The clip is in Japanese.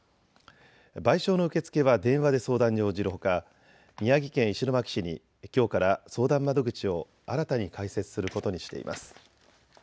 賠償の受け付けは電話で相談に応じるほか、宮城県石巻市にきょうから相談窓口を新たに開設することにしています。